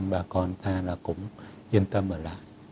bà con ta là cũng yên tâm ở lại